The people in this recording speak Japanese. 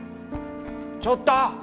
ちょっと！